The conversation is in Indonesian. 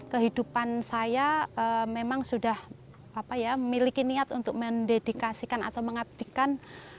kehidupan saya memang sudah memiliki niat untuk mendedikasikan atau mengabdikan